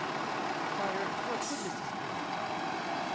"Sire, your goodness is great."